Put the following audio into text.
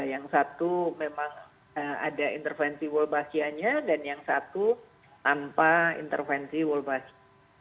yang satu memang ada intervensi worldbachianya dan yang satu tanpa intervensi worldbachie